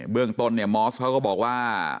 เรื่องต้นเนี่ยมอสเขาก็บอกว่า